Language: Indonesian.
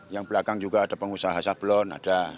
yang belakang juga ada pengusaha sablon